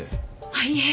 あっいえ。